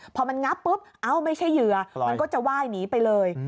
พอมันงับปุ๊บเอ้าไม่ใช่เหยื่อมันก็จะไหว้หนีไปเลย